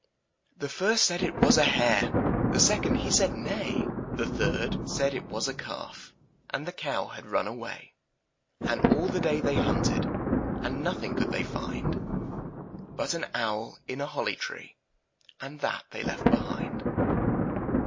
The first said it was a hare. The second, he said nay; The third said it was a calf. And the cow had run away. And all the day they hunted, And nothing could they find But an owl in a holly tree, And that they left behind.